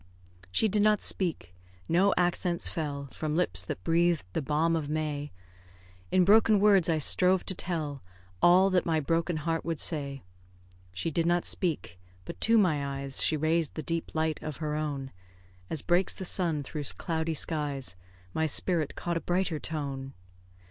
She did not speak no accents fell From lips that breathed the balm of May; In broken words I strove to tell All that my broken heart would say. She did not speak but to my eyes She raised the deep light of her own. As breaks the sun through cloudy skies, My spirit caught a brighter tone.